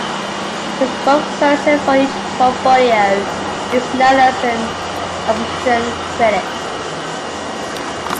The spokesperson for each portfolio is known as an opposition critic.